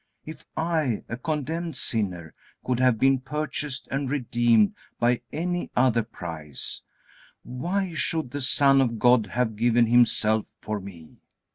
If I, a condemned sinner, could have been purchased and redeemed by any other price, why should the Son of God have given Himself for me?